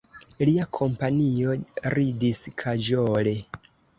Lia kompanio ridis kaĵole.